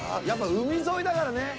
やっぱ海沿いだからね。